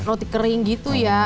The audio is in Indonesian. roti kering gitu ya